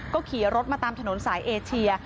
ก็ขี่รถมาตามถนนสายเอเชีย